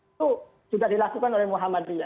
itu sudah dilakukan oleh muhammad ria